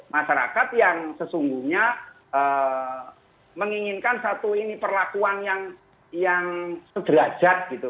masyarakat yang sesungguhnya menginginkan satu ini perlakuan yang sederajat gitu